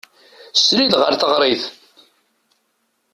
Srid ɣer teɣrit.